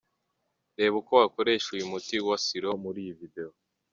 Reba uko wakoresha uyu muti wa Sur’Eau muri iyi video.